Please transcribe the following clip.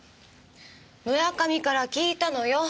村上から聞いたのよ。